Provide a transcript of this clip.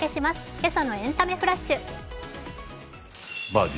今朝の「エンタメフラッシュ」。